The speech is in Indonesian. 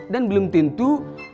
dan belum tentu